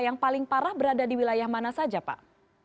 yang paling parah berada di wilayah mana saja pak